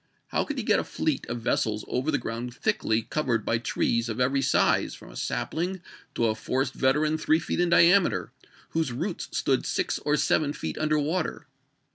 How could he get a fleet of ci^ war." vessels over the ground thickly covered by trees of p ieo every size, from a sapling to a forest veteran three feet in diameter, whose roots stood six or seven feet under water